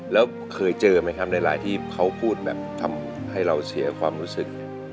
แล้วเคยเจอไหมครับหลายที่เขาพูดแบบทำให้เราเสียความรู้สึก